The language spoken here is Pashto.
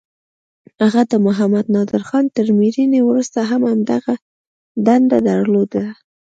هغه د محمد نادرخان تر مړینې وروسته هم همدغه دنده درلوده.